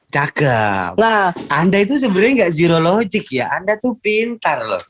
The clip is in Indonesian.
jaga anda itu sebenernya gak zero logic ya anda tuh pintar loh